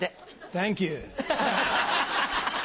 サンキュー！